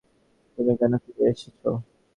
তুমি কেন ফিরে এসেছো?